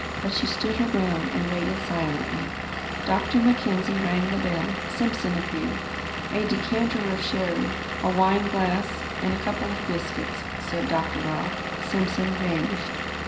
But she stood her ground, and waited silently. Dr. Mackenzie rang the bell. Simpson appeared. "A decanter of sherry, a wine glass, and a couple of biscuits," said Dr. Rob. Simpson vanished.